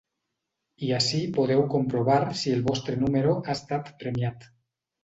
I ací podeu comprovar si el vostre número ha estat premiat.